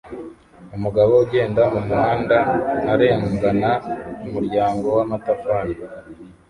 Umugabo ugenda mumuhanda arengana umuryango wamatafari